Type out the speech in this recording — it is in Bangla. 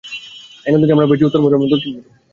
এখান থেকেই আমরা পেয়েছি, উত্তর মেরু এবং দক্ষিণ মেরু!